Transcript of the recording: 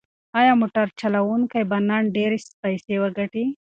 ایا موټر چلونکی به نن ډېرې پیسې وګټي؟